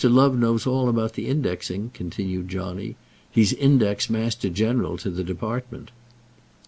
Love knows all about the indexing," continued Johnny. "He's index master general to the department."